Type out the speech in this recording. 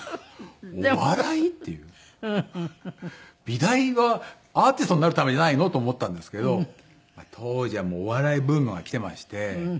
美大はアーティストになるためじゃないの？と思ったんですけど当時はもうお笑いブームが来てまして。